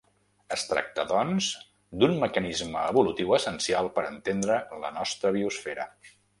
Es tracta doncs d’un mecanisme evolutiu essencial per entendre la nostra biosfera.